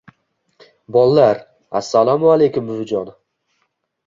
Bollar: Assalomu aleykum buvijon.